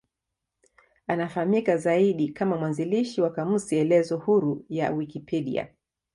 Anafahamika zaidi kama mwanzilishi wa kamusi elezo huru ya Wikipedia.